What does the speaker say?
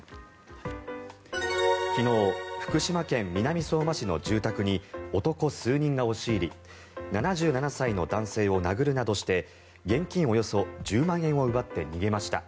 昨日福島県南相馬市の住宅に男数人が押し入り７７歳の男性を殴るなどして現金およそ１０万円を奪って逃げました。